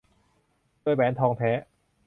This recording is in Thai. โดยแหวนทองแท้